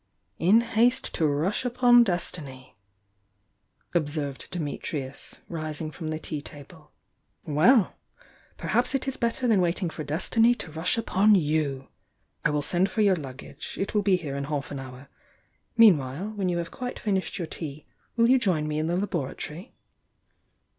"In haste to rush upon destiny!" observed Di mitrius, rising from the tea table. "Well! Perhaps it 18 better than waiting for destiny to rush upon you! I will send for your luggage — it will be here in half an hour. Meanwhile, when you have quite finished your tea, will you join me in the labora tory?"